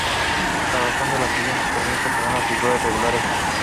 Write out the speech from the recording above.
La razón es la siguiente: comienza con una figura irregular "F".